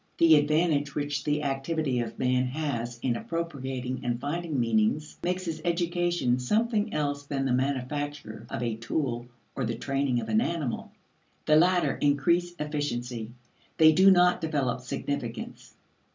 The advantage which the activity of man has in appropriating and finding meanings makes his education something else than the manufacture of a tool or the training of an animal. The latter increase efficiency; they do not develop significance.